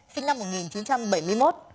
sinh năm một nghìn chín trăm bảy mươi một